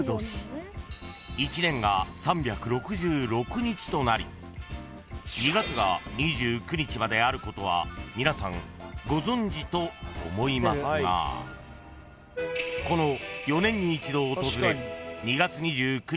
［１年が３６６日となり２月が２９日まであることは皆さんご存じと思いますがこの４年に１度訪れる］